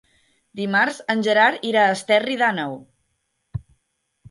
Dimarts en Gerard irà a Esterri d'Àneu.